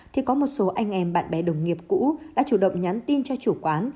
thì có một số anh em bạn bè đồng nghiệp cũ đã chủ động nhắn tin cho chủ quán